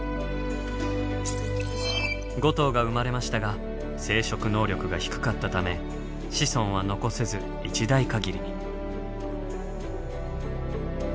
５頭が生まれましたが生殖能力が低かったため子孫は残せず一代限りに。